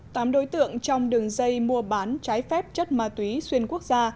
tám đối tượng trong đường dây mua bán trái phép chất ma túy xuyên quốc gia